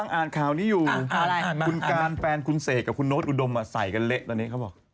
อ่านข่าวนี้อยู่คุณการแฟนคุณเสกกับคุณโน๊ตอุดมใส่กันเละตอนนี้เขาบอก